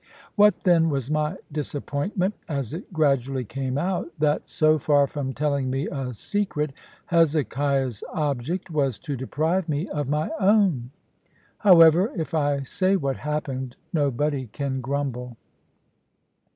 What then was my disappointment, as it gradually came out, that so far from telling me a secret, Hezekiah's object was to deprive me of my own! However, if I say what happened, nobody can grumble.